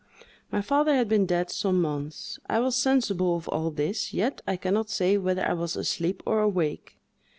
My father had been dead some months. I was sensible of all this, yet I can not say whether I was asleep or awake.